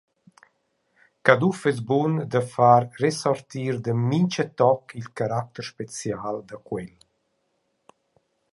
Caduff es bun da far resortir da mincha toc il caracter special da quel.